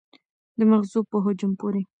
د مغزو په حجم پورې